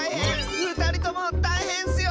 ふたりともたいへんッスよ！